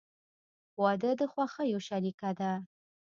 • واده د خوښیو شریکه ده.